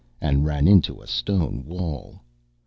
And ran into a stone wall.